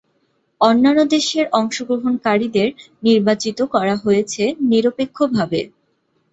অন্যান্য দেশের অংশগ্রহণকারীদের নির্বাচিত করা হয়েছে নিরপেক্ষভাবে।